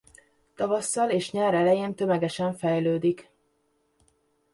Tavasszal és nyár elején tömegesen fejlődik.